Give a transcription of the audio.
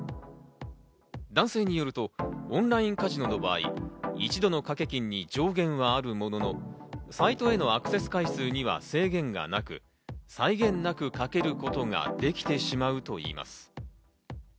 男性によると、オンラインカジノの場合、一度の賭け金に上限はあるものの、サイトへのアクセス回数には制限がなく、際限なく賭けることができてしまうといいます。